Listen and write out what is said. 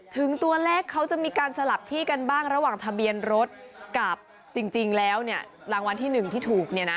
ถึงตัวเลขเขาจะมีการสลับที่กันบ้างระหว่างทะเบียนรถกับจริงแล้วเนี่ยรางวัลที่๑ที่ถูกเนี่ยนะ